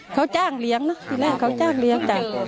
เขาจ้างเลี้ยงเนอะที่แรกเขาจ้างเลี้ยงจ้ะ